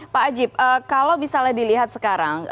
pak ajib kalau misalnya dilihat sekarang